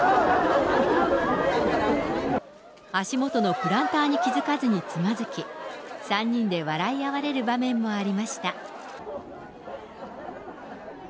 足元のプランターに気付かずにつまずき、３人で笑い合われる場面もありました。